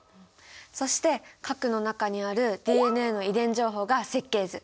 そして核の中にあるＤＮＡの遺伝情報が設計図！